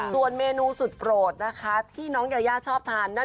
ส่วนเมนูสุดโปรดนะคะที่น้องยายาชอบทาน